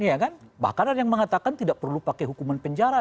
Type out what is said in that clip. iya kan bahkan ada yang mengatakan tidak perlu pakai hukuman penjara